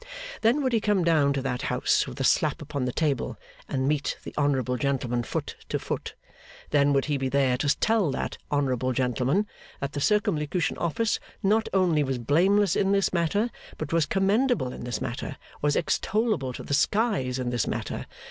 Then would he come down to that house with a slap upon the table, and meet the honourable gentleman foot to foot. Then would he be there to tell that honourable gentleman that the Circumlocution Office not only was blameless in this matter, but was commendable in this matter, was extollable to the skies in this matter.